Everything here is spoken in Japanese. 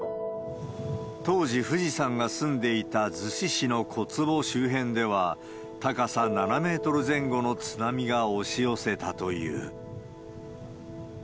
当時、フジさんが住んでいた逗子市の小坪周辺では、高さ７メートル前後の津波が押し寄せたという。